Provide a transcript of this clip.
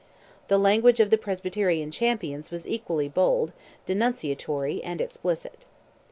The language of the Presbyterian champions was equally bold, denunciatory, and explicit.